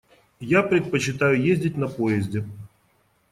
Я предпочитаю ездить на поезде.